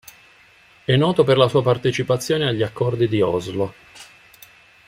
È noto per la sua partecipazione agli accordi di Oslo.